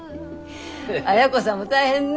亜哉子さんも大変ね。